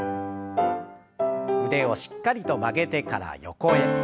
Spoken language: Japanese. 腕をしっかりと曲げてから横へ。